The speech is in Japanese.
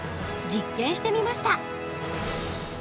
実験してみました。